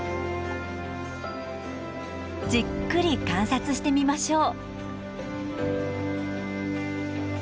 じっくり観察してみましょう。